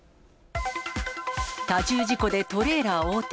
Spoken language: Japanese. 多重事故でトレーラー横転。